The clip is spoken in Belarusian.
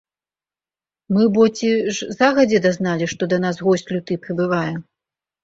Мы бо ці ж загадзе дазналі, што да нас госць люты прыбывае?!